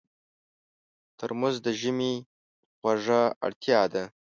ترموز د ژمي خوږه اړتیا ده.